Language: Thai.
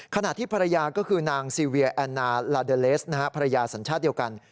ขณะที่ภรรยาก็คือนางซีเวียแอนนาลาเดอเลสภรรยาสัญชาติเดียวกัน